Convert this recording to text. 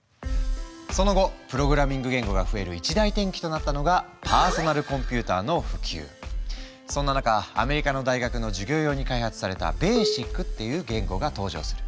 その後プログラミング言語が増える一大転機となったのがそんな中アメリカの大学の授業用に開発された「ＢＡＳＩＣ」っていう言語が登場する。